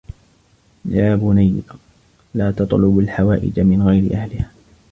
يَا بُنَيَّ لَا تَطْلُبْ الْحَوَائِجَ مِنْ غَيْرِ أَهْلِهَا